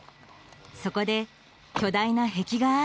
そこで巨大な壁画